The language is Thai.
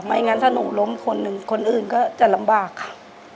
งั้นถ้าหนูล้มคนหนึ่งคนอื่นก็จะลำบากค่ะ